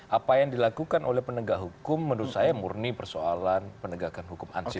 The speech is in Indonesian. apa yang dilakukan oleh penegak hukum menurut saya murni persoalan penegakan hukum anti korupsi